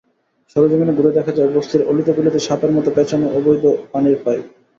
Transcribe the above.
সরেজমিন ঘুরে দেখা যায়, বস্তির অলিতে-গলিতে সাপের মতো প্যাঁচানো অবৈধ পানির পাইপ।